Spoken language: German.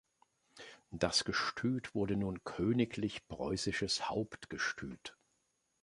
Das Gestüt wurde nun "Königlich Preußisches Hauptgestüt".